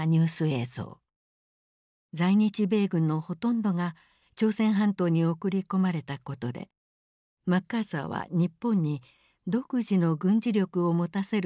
在日米軍のほとんどが朝鮮半島に送り込まれたことでマッカーサーは日本に独自の軍事力を持たせる必要に迫られた。